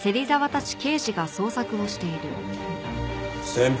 先輩。